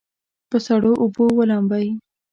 په سړو اوبو ولامبئ.